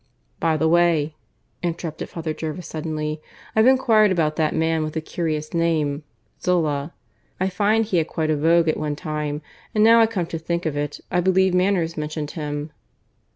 "By the way," interrupted Father Jervis suddenly, "I've enquired about that man with the curious name Zola. I find he had quite a vogue at one time. And now I come to think of it, I believe Manners mentioned him."